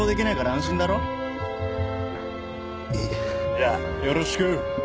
じゃあよろしく！